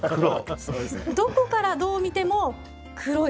どこからどう見ても黒い。